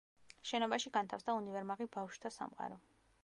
შენობაში განთავსდა უნივერმაღი „ბავშვთა სამყარო“.